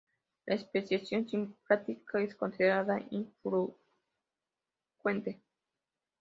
La especiación simpátrica es considerada infrecuente.